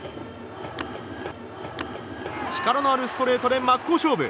力のあるストレートで真っ向勝負。